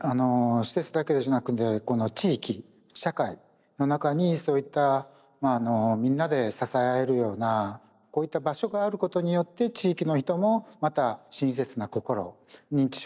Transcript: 施設だけじゃなくてこの地域社会の中にそういったみんなで支え合えるようなこういった場所があることによって地域の人もまた親切な心認知症に対する理解